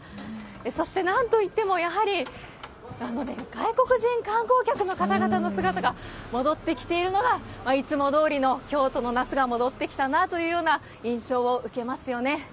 そしてなんといっても、やはり外国人観光客の方々の姿が戻ってきているのが、いつもどおりの京都の夏が戻ってきたなというような印象を受けますよね。